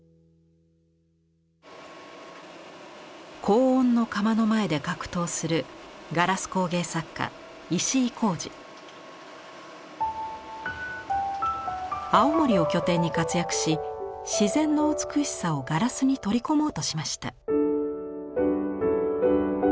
高温の窯の前で格闘する青森を拠点に活躍し自然の美しさをガラスに取り込もうとしました。